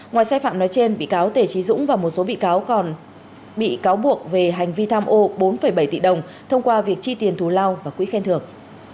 ngoài sai phạm nói trên bị cáo tề trí dũng và một số bị cáo còn bị cáo buộc về hành vi tham ô bốn bảy tỷ đồng thông qua việc chi tiền thù lao và quỹ khen thưởng